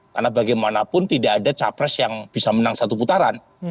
karena bagaimanapun tidak ada capres yang bisa menang satu putaran